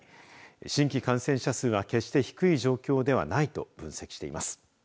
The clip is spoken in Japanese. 新規感染者数は決して低い状況ではないと分析しています。